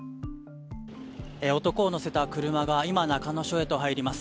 男を乗せた車が今、中野署へと入ります。